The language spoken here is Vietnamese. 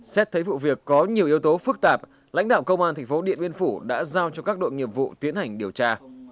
xét thấy vụ việc có nhiều yếu tố phức tạp lãnh đạo công an thành phố điện biên phủ đã giao cho các đội nghiệp vụ tiến hành điều tra